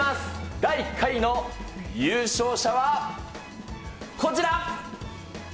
第１回の優勝者はこちら。